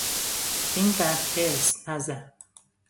اینقدر حرص نزن!